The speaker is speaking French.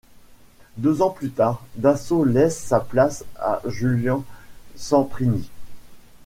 Deux ans plus tard, Dasso laisse sa place à Julian Semprini.